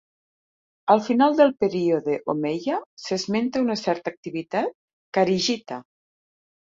Al final del període omeia s'esmenta una certa activitat kharigita.